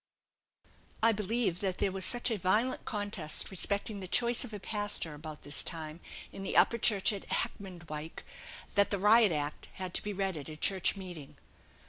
"I believe that there was such a violent contest respecting the choice of a pastor, about this time, in the Upper Chapel at Heckmondwike, that the Riot Act had to be read at a church meeting."